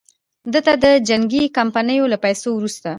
ده ته د جنګي کمپنیو له پیسو وروسته.